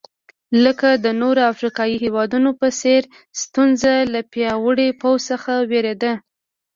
لکه د نورو افریقایي هېوادونو په څېر سټیونز له پیاوړي پوځ څخه وېرېده.